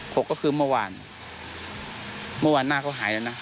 กก็คือเมื่อวานเมื่อวานหน้าเขาหายแล้วนะ